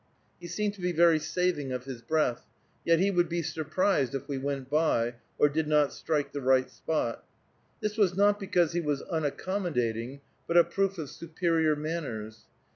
He seemed to be very saving of his breath, yet he would be surprised if we went by, or did not strike the right spot. This was not because he was unaccommodating, but a proof of superior manners.